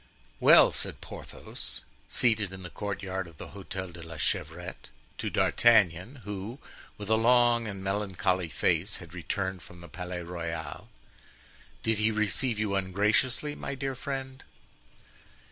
Well," said Porthos, seated in the courtyard of the Hotel de la Chevrette, to D'Artagnan, who, with a long and melancholy face, had returned from the Palais Royal; "did he receive you ungraciously, my dear friend?"